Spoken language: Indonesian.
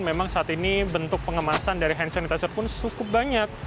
memang saat ini bentuk pengemasan dari hand sanitizer pun cukup banyak